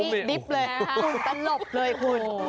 ไม่มีตำนวนครับคุณ